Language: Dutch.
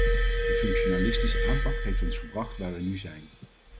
De functionalistische aanpak heeft ons gebracht waar wij nu zijn.